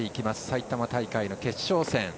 埼玉大会の決勝戦。